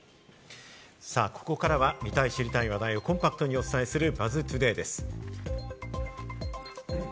ここからは見たい知りたい話題をコンパクトにお伝えする、ＢＵＺＺトゥデイです。